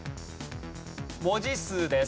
文字数です。